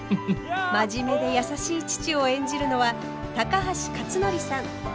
真面目で優しい父を演じるのは高橋克典さん。